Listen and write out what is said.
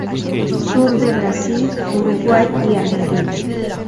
Sur de Brasil, Uruguay y Argentina.